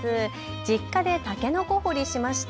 実家でたけのこ掘りしました。